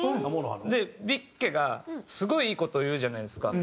でビッケがすごいいい事を言うじゃないですか。